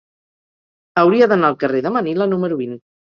Hauria d'anar al carrer de Manila número vint.